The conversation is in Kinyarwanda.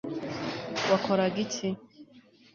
wakoraga iki